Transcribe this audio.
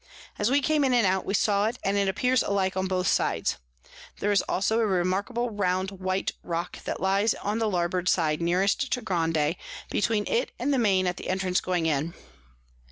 As we came in and out, we saw it, and it appears alike on both sides: there is also a remarkable round white Rock that lies on the Larboard side nearest to Grande, between it and the Main at the Entrance going in.